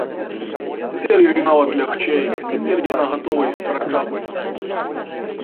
Цяпер ёй нават лягчэй, цяпер яна гатова й спрачацца.